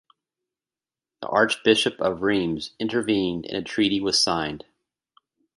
The Archbishop of Reims intervened and a treaty was signed.